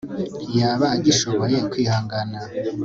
ntiyaba agishoboye kwihangana